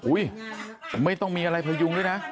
ไม่ต้องมีอะไรพยุงด้วยนะ